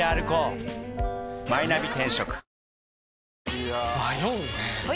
いや迷うねはい！